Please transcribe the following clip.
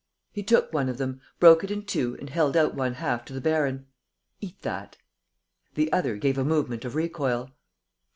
He took one of them, broke it in two and held out one half to the baron: "Eat that!" The other gave a movement of recoil.